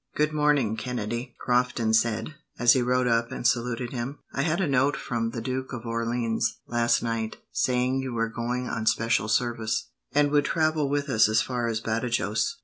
"Good morning, Kennedy!" Crofton said, as he rode up and saluted him. "I had a note from the Duke of Orleans, last night, saying you were going on special service, and would travel with us as far as Badajos.